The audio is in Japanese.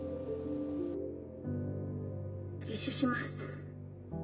自首します。